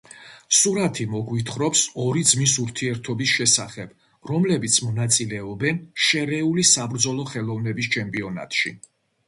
სურათი მოგვითხრობს ორი ძმის ურთიერთობის შესახებ, რომლებიც მონაწილეობენ შერეული საბრძოლო ხელოვნების ჩემპიონატში.